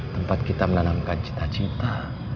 tempat kita menanamkan cita cita